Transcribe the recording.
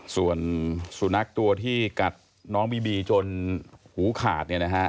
ส่วนสู่นักตัวกัดน้องบีบีจนหูขาด